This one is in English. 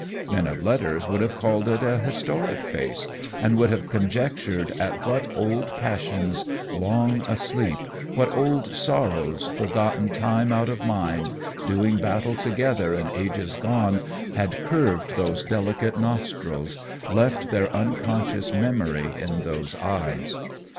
Men of letters would have called it a historic face, and would have conjectured at what old passions, long asleep, what old sorrows forgotten time out of mind, doing battle together in ages gone, had curved those delicate nostrils, left their unconscious memory in those eyes.